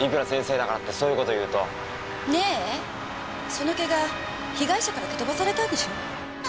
そのケガ被害者から蹴飛ばされたんでしょ？